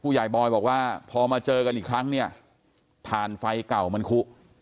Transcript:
ใหญ่บอยบอกว่าพอมาเจอกันอีกครั้งเนี่ยถ่านไฟเก่ามันคุ